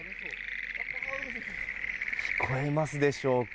聞こえますでしょうか。